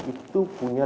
itu punya regulasi